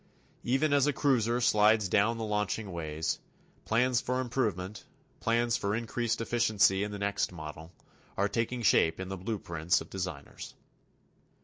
Even as a cruiser slides down the launching ways, plans for improvement, plans for increased efficiency in the next model, are taking shape in the blueprints of designers.